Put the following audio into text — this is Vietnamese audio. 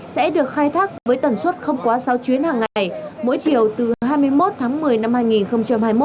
sẽ được khai thác với tần suất không quá sáu chuyến hàng ngày mỗi chiều từ hai mươi một tháng một mươi năm hai nghìn hai mươi một